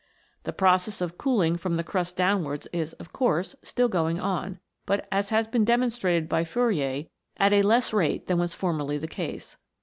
The process of cooling from the crust downwards is, of course, still going on, but, as has been demonstrated by Fourier, at a less rate than was formerly the case.